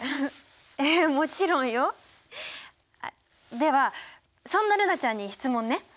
ではそんな瑠菜ちゃんに質問ね。